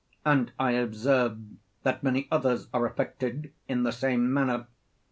And I observe that many others are affected in the same manner.